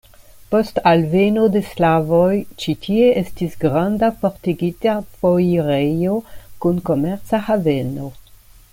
Post alveno de slavoj ĉi tie estis granda fortikigita foirejo kun komerca haveno.